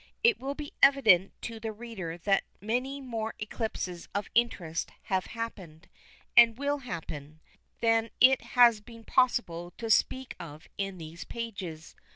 It will be evident to the reader that many more eclipses of interest have happened, and will happen, than it has been possible to speak of in these pages.